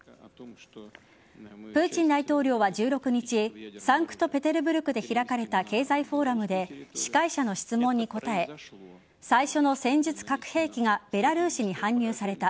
プーチン大統領は１６日サンクトペテルブルクで開かれた経済フォーラムで司会者の質問に答え最初の戦術核兵器がベラルーシに搬入された。